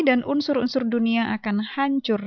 dan unsur unsur dunia akan hancur